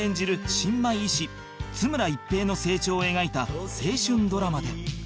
新米医師津村一平の成長を描いた青春ドラマで